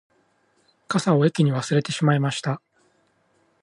傘を駅に忘れてしまいました